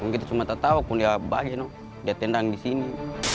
kita cuma tak tahu dia balik dia tendang di sini